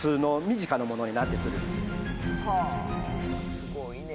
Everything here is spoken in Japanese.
すごいね。